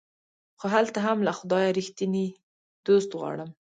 خو هلته هم له خدايه ريښتيني دوست غواړم